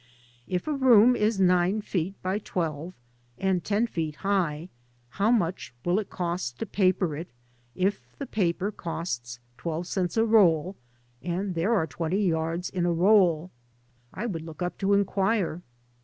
" If a room is nine feet by twelve, and ten feet high, how much will it cost to paper it if the paper costs twelve cents a roll and there are twenty yards in a roll? " I would look up to inquire.